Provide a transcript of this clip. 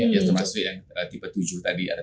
ya termasuk yang tipe tujuh tadi